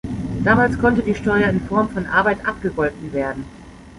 Damals konnte die Steuer in Form von Arbeit abgegolten werden.